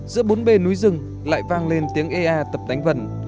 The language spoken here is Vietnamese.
giữa bốn bề núi rừng lại vang lên tiếng ea tập đánh vần